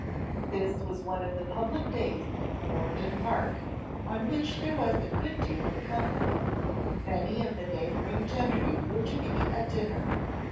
This was one of the public days at Clarendon Park, on which there was a good deal of company; many of the neighbouring gentry were to be at dinner.